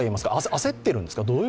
焦ってるんですか？